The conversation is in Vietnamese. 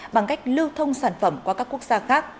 bằng cách lưu thông sản phẩm qua các quốc gia khác